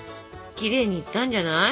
きれいにいったんじゃない？